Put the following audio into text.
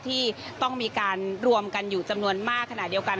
ที่ต้องมีการรวมกันอยู่จำนวนมากขณะเดียวกัน